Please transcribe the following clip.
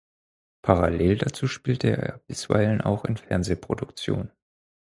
Parallel dazu spielte er bisweilen auch in Fernsehproduktionen.